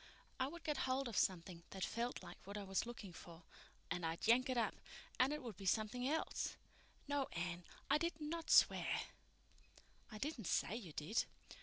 I would get hold of something that felt like what I was looking for, and I'd yank it up, and it would be something else. No, Anne, I did not swear." "I didn't say you did."